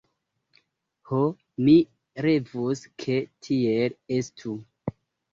Ho, mi revus, ke tiel estu!